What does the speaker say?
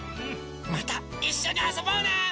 またいっしょにあそぼうね！